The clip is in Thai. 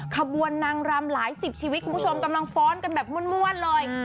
ขบวนนางรำหลายสิบชีวิตคุณผู้ชมกำลังฟ้อนกันแบบม่วนเลย